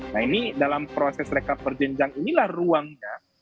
nah ini dalam proses rekap berjenjang inilah ruangnya